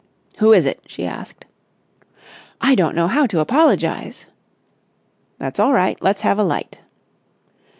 "Who is it?" she asked. "I don't know how to apologise!" "That's all right! Let's have a light."